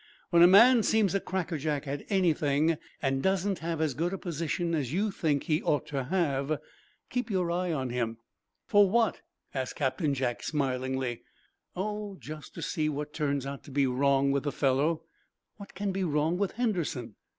"When a man seems a crackerjack at anything, and doesn't have as good a position as you think he ought to have, keep your eye on him." "For what?" asked Captain Jack, smilingly. "Oh, just to see what turns out to be wrong with the fellow." "What can be, wrong with Henderson?"